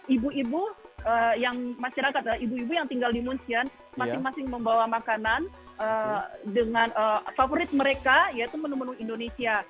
ibu ibu yang masyarakat ibu ibu yang tinggal di munsian masing masing membawa makanan dengan favorit mereka yaitu menu menu indonesia